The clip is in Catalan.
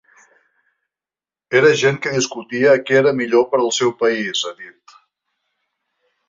Era gent que discutia què era millor per al seu país, ha dit.